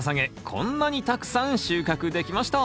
こんなにたくさん収穫できました！